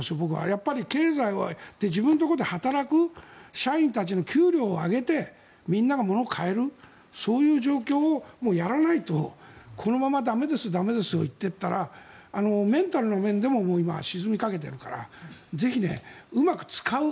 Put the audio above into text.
やっぱり経済は自分のところで働く社員たちの給料を上げてみんなが物を買えるそういう状況をやらないとこのまま駄目です、駄目ですと言っていたらメンタルの面でも沈みかけてるからぜひうまく使う。